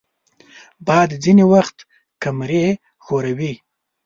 باد ځینې وخت کمرې ښوروي